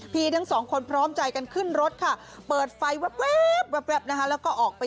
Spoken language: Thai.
ทั้งสองคนพร้อมใจกันขึ้นรถค่ะเปิดไฟแว๊บนะคะแล้วก็ออกไป